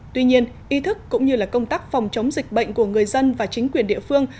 tuy nhiên ý thức cũng như công tác phòng chống dịch bệnh của người dân và chính quyền địa phương